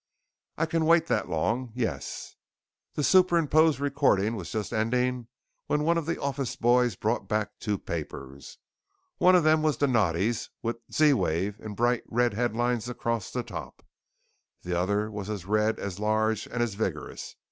"I can wait that long. Yes!" The superimposed recording was just ending when one of the office boys brought back two papers. One of them was Donatti's, with "Z WAVE!" in a bright red headline across the top. The other was as red, as large, and as vigorous.